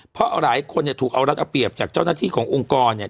เพราะหลายคนเนี่ยถูกเอารัฐเอาเปรียบจากเจ้าหน้าที่ขององค์กรเนี่ย